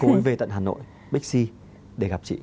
cô ấy về tận hà nội bixi để gặp chị